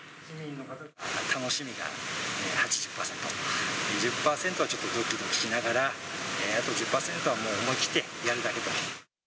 楽しみが８０％、１０％はちょっとどきどきしながら、あと１０％はもう、思い切ってやるだけと。